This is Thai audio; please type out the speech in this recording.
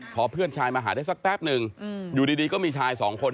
พอเพื่อนชายมาหาได้สักแป๊บนึงอยู่ดีก็มีชายสองคน